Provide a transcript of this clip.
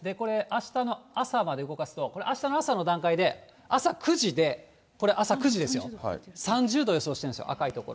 あしたの朝まで動かしますと、あしたの朝の段階で朝９時で、これ朝９時ですよ、３０度を予想してます、赤い所。